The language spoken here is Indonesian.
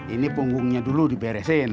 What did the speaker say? ini punggungnya dulu diberesin